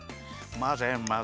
まぜまぜ！